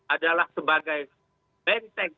adalah sebagai benteng